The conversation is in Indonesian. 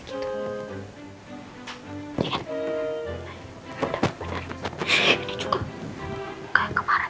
ini juga kemarin